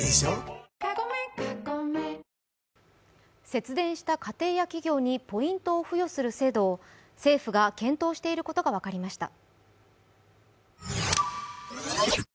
節電した家庭や企業にポイントを付与する制度を政府が検討していることが分かりました。